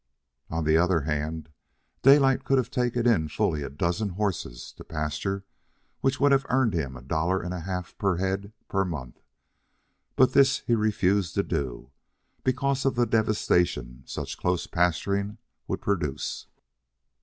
On the other hand, Daylight could have taken in fully a dozen horses to pasture, which would have earned him a dollar and a half per head per month. But this he refused to do, because of the devastation such close pasturing would produce.